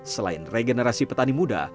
selain regenerasi petani muda